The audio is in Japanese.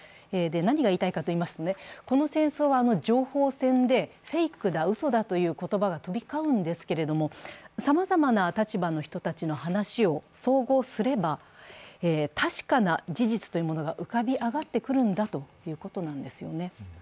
何が言いたいかといいますと、この戦争は情報戦でフェイクだ、うそだという言葉が飛び交うんですけれども、さまざまな立場の人たちの話を総合すれば、確かな事実というものが浮かび上がってくるんだということなんですよね。